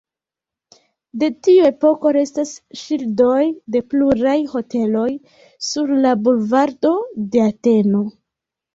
De tiu epoko restas ŝildoj de pluraj hoteloj sur la bulvardo de Ateno.